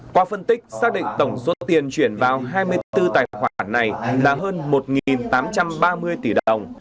qua phân tích xác định tổng số tiền chuyển vào hai mươi bốn tài khoản này là hơn một tám trăm ba mươi tỷ đồng